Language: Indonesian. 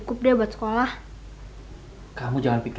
masih mau sekolah gak